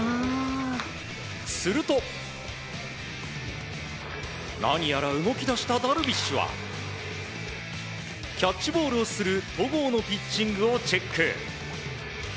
すると、何やら動き出したダルビッシュはキャッチボールをする戸郷のピッチングをチェック。